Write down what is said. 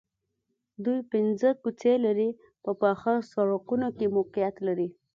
دوی پنځه کوڅې لرې په پاخه سړکونو کې موقعیت لري